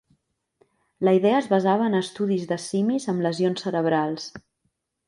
La idea es basava en estudis de simis amb lesions cerebrals.